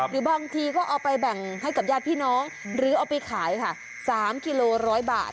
หรือบางทีก็เอาไปแบ่งให้กับญาติพี่น้องหรือเอาไปขายค่ะ๓กิโล๑๐๐บาท